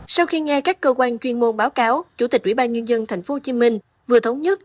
sau khi nghe các cơ quan chuyên môn báo cáo chủ tịch ủy ban nhân dân tp hcm vừa thống nhất